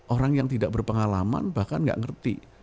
orang yang tidak berpengalaman bahkan nggak ngerti